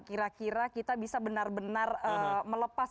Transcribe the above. kira kira kita bisa benar benar melepas